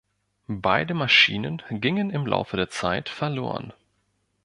Beide Maschinen gingen im Laufe der Zeit verloren.